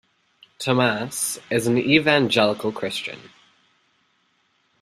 Thomas is an evangelical Christian.